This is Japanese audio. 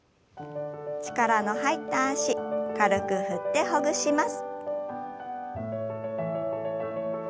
力の入った脚軽く振ってほぐします。